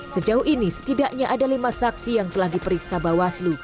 sejauh ini setidaknya ada lima saksi yang telah diperiksa bawaslu